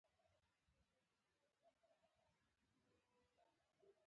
تش تور میدانونه د ونو تنې ټول په واورو کې پټ شول.